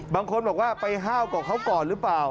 บางคนบอกว่าไปห้าวกับเขาก่อนหรือเปล่า